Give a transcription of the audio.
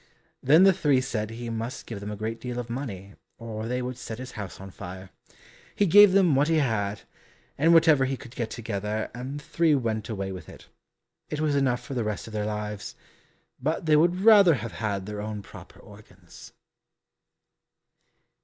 Then the three said he must give them a great deal of money, or they would set his house on fire. He gave them what he had, and whatever he could get together, and the three went away with it. It was enough for the rest of their lives, but they would rather have had their own proper organs.